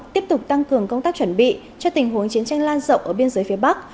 tiếp tục tăng cường công tác chuẩn bị cho tình huống chiến tranh lan rộng ở biên giới phía bắc